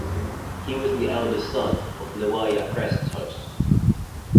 He was the eldest son of Newaya Krestos.